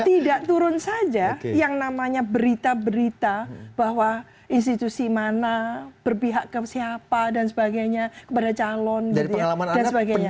tidak turun saja yang namanya berita berita bahwa institusi mana berpihak ke siapa dan sebagainya kepada calon dan sebagainya